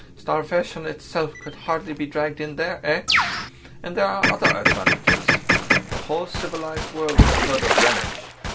Starvation itself could hardly be dragged in there—eh? And there are other advantages. The whole civilised world has heard of Greenwich.